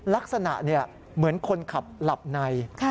ลักษณะเหมือนคนขับหลับใน